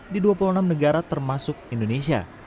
di dua puluh enam negara termasuk indonesia